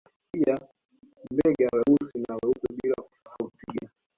Pia Mbega weusi na weupe bila kusahau Twiga